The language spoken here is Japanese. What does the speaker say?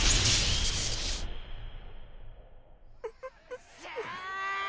「よっしゃ！」